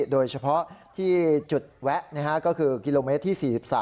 โดยเฉพาะที่จุดแวะก็คือกิโลเมตรที่๔๓